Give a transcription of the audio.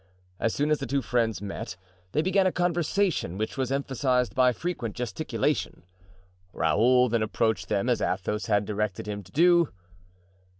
As soon as the two friends met they began a conversation which was emphasized by frequent gesticulation. Raoul then approached them as Athos had directed him to do.